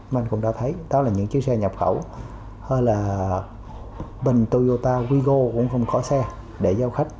mình cũng đã thấy đó là những chiếc xe nhập khẩu hay là bình toyota quygo cũng không có xe để giao khách